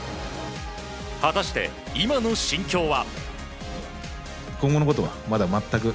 果たして、今の心境は。